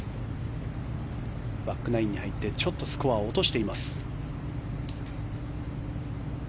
バックナインに入ってちょっとスコアを落としています。